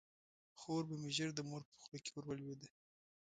خور به مې ژر د مور په خوله کې ور ولویده.